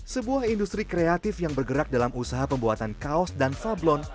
sebuah industri kreatif yang bergerak dalam usaha pembuatan kaos dan fablon